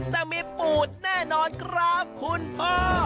แต่มีปูดแน่นอนครับคุณพ่อ